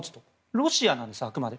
ロシアなんです、あくまで。